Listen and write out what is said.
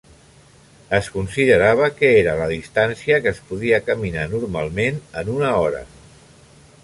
Es considerava que era la distància que es podia caminar normalment en una hora.